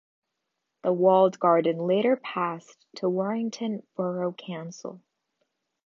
The walled garden later passed to Warrington Borough Council.